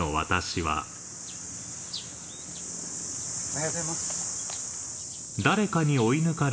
おはようございます。